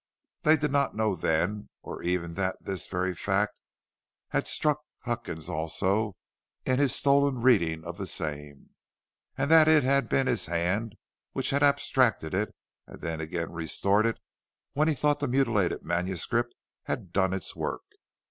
They did not know then or ever that this very fact had struck Huckins also in his stolen reading of the same, and that it had been his hand which had abstracted it and then again restored it when he thought the mutilated manuscript had done its work.